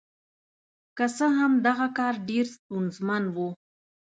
که څه هم دغه کار ډېر ستونزمن و.